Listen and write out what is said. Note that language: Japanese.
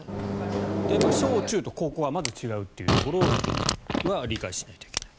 小中と高校はまず違うというところを理解しないといけない。